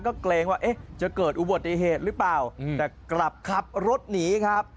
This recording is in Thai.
ก็เกรงว่าจะเกิดอุบัติเหตุหรือเปล่าแต่กลับขับรถหนีครับ